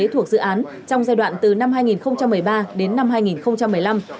thuộc dự án trong giai đoạn từ năm hai nghìn một mươi ba đến năm hai nghìn một mươi năm